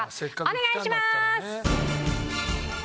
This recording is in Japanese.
お願いしまーす！